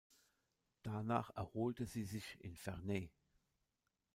Danach erholte sie sich in Ferney.